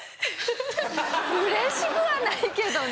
うれしくはないけどね。